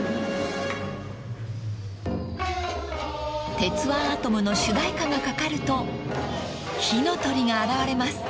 ［『鉄腕アトム』の主題歌がかかると火の鳥が現れます］